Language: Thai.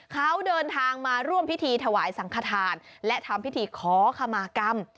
เขาเดินทางมาร่วมพิธีถวายสังขทานและทำพิธีขอขมากรรม